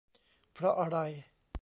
เพราะอะไร